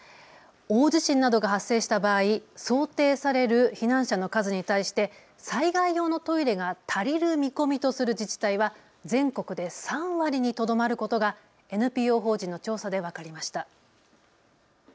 大地震などが発生した場合、想定される避難者の数に対して災害用のトイレが足りる見込みとする自治体は全国で３割にとどまることがＮＰＯ法人の調査で分かりました。